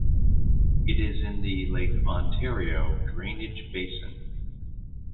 It is in the Lake Ontario drainage basin.